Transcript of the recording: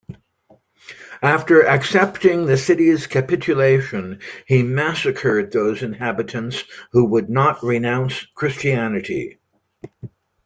After accepting the city's capitulation, he massacred those inhabitants who would not renounce Christianity.